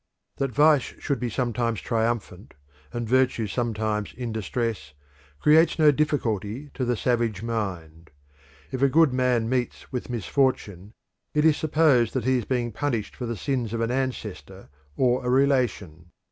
That vice should be sometimes triumphant and virtue sometimes in distress creates no difficulty to the savage mind. If a good man meets with misfortune it is supposed that he is being punished for the sins of an ancestor or a relation.